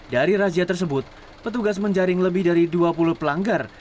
dari razia tersebut petugas menjaring lebih dari dua puluh pelanggar